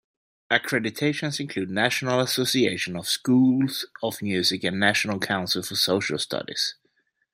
Accreditations include National Association of Schools of Music and National Council for Social Studies.